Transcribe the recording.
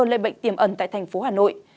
lợi bệnh tiềm ẩn tại thành phố hà nội